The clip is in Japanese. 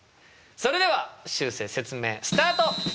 それではしゅうせい説明スタート！